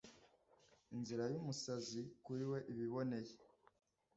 inzira y'umusazi, kuri we iba iboneye